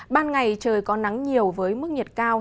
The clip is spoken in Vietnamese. ban ngày trời có nắng nhiều với mức nhiệt cao